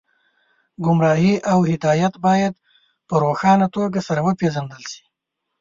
ګمراهي او هدایت باید په روښانه توګه سره وپېژندل شي